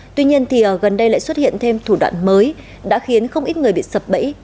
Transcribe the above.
tuy nhiên gần đây lại xuất hiện thêm thủ đoạn mới đã khiến không ít người bị sập bẫy